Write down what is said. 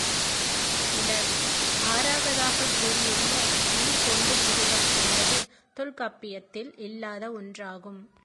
இலர் ஆறாவதாகக் கூறியுள்ள இல் கொண்டு புகுதல் என்பது தொல்காப்பியத்தில் இல்லாத ஒன்றாகும்.